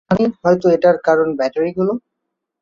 মানে, হয়তো এটার কারণ ব্যাটারিগুলো।